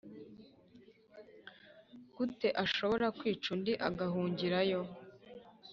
Gut ashobora kwica undi agahungirayo